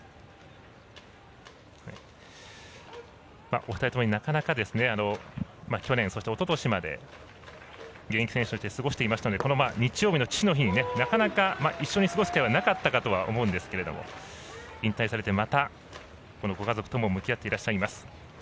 お二人ともになかなか去年、おととしまで現役選手として過ごしていましたので日曜日の父の日になかなか一緒に過ごす機会はなかったと思うんですが引退されて、またご家族とも向き合ってらっしゃいます。